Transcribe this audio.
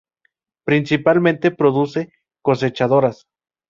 Principalmente produce cosechadoras.